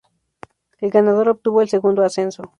El ganador obtuvo el segundo ascenso.